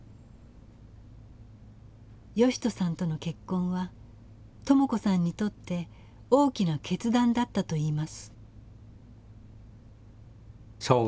義人さんとの結婚は朋子さんにとって大きな決断だったといいます。